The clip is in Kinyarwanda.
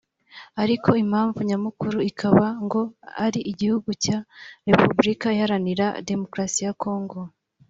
ariko impamvu nyamukuru ikaba ngo ari igihugu cya Repubulkika Iharanira Demokarasi ya Congo